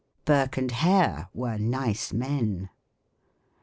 " Burke and Hare were nice men."